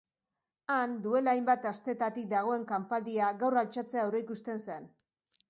Han duela hainbat astetatik dagoen kanpaldia gaur altxatzea aurreikusten zen.